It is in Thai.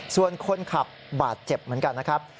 ส่วนคนขับบาดเจ็บเหมือนกันนะครับ